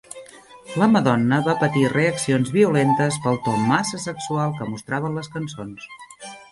La Madonna va patir reaccions violentes pel to massa sexual que mostraven les cançons.